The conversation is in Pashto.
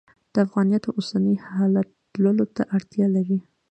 د افغانیت اوسني حالت تللو ته اړتیا لري.